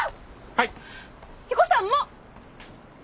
はい。